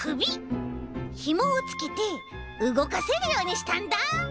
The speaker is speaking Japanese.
ひもをつけてうごかせるようにしたんだ。